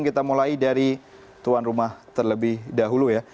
kita mulai dari tuan rumah terlebih dahulu ya